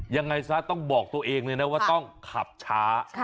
ยังไงซะต้องบอกตัวเองเลยนะว่าต้องขับช้า